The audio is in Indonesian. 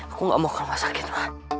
aku gak mau ke rumah sakit